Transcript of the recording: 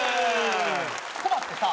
コバってさ